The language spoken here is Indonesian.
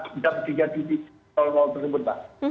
saat tiga tersebut pak